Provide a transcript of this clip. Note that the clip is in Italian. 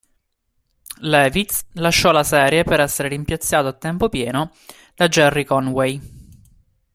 Levitz lasciò la serie per essere rimpiazzato a tempo pieno da Gerry Conway.